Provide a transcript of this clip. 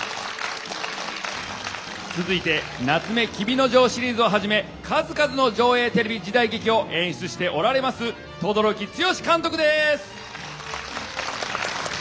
続いて「棗黍之丞」シリーズをはじめ数々の条映テレビ時代劇を演出しておられます轟強監督です！